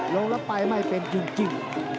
ลงแล้วไปไม่เป็นจริง